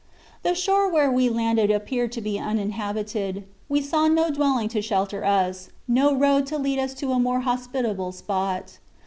"The shore where we landed appeared to be uninhabited. We saw no dwelling to shelter us, no road to lead us to a more hospitable spot.